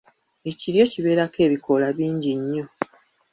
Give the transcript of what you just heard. Ekiryo kibeerako ebikoola bingi nnyo.